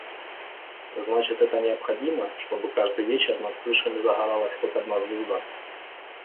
Значит – это необходимо, чтобы каждый вечер над крышами загоралась хоть одна звезда?!